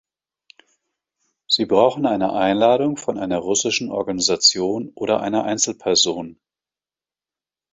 Sie brauchen eine Einladung von einer russischen Organisation oder einer Einzelperson.